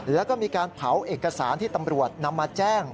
แล้วก็มีการเผาเอกสารที่ตำรวจนำมาแจ้ง